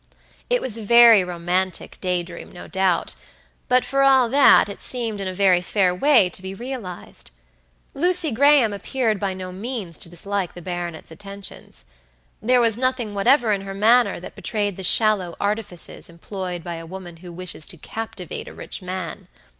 It was a very romantic day dream, no doubt; but, for all that, it seemed in a very fair way to be realized. Lucy Graham appeared by no means to dislike the baronet's attentions. There was nothing whatever in her manner that betrayed the shallow artifices employed by a woman who wishes to captivate a rich man.